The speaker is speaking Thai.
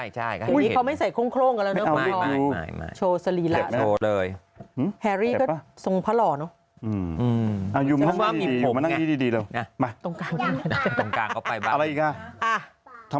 ใช่เขาไม่ใส่โครงกันแล้วเนอะ